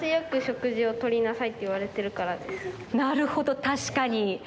なるほどたしかに。